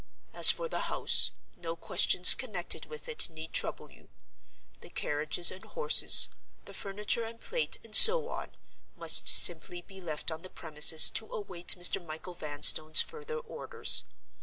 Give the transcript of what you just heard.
As for the house, no questions connected with it need trouble you. The carriages and horses, the furniture and plate, and so on, must simply be left on the premises to await Mr. Michael Vanstone's further orders.